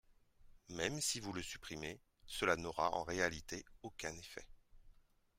Même si vous le supprimez, cela n’aura en réalité aucun effet.